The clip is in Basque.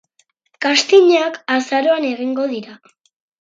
Castingak azaroan egingo dira.